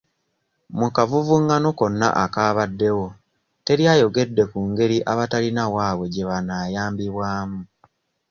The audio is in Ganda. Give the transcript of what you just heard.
Mu kavuvungano konna akabaddewo teri ayogedde ku ngeri abatalina waabwe gye banaayambibwamu.